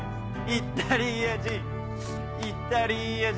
「イタリア人」。